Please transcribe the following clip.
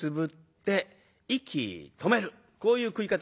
こういう食い方。